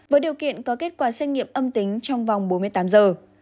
với điều kiện có kết quả xét nghiệm âm tính trong vòng bốn mươi tám giờ